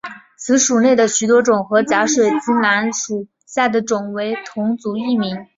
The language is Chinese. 此属内的许多种与假水晶兰属下的种为同种异名。